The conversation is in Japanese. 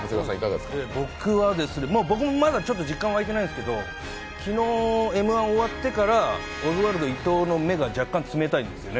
僕もまだ実感が湧いてないんですけど昨日Ｍ−１が終わってからオズワルド・伊藤の目が冷たいんですよね。